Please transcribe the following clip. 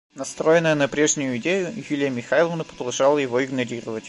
Настроенная на прежнюю идею, Юлия Михайловна продолжала его игнорировать.